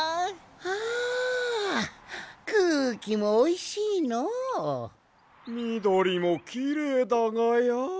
あくうきもおいしいのう。みどりもきれいだがや。